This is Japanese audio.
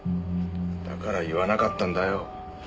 だから言わなかったんだよ。